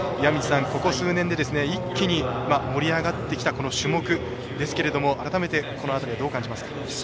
ここ数年で一気に盛り上がってきた種目ですけれども改めてこの辺りはどう感じますか。